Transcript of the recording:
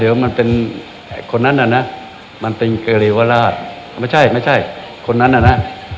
เดี๋ยวมันเป็นคนนั้นน่ะนะมันเป็นเกรีวราชไม่ใช่ไม่ใช่คนนั้นน่ะนะ